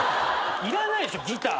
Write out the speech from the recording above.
いらないでしょギター。